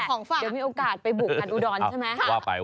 เดี๋ยวมีโอกาสไปบุกกันอูดอนใช่ไหม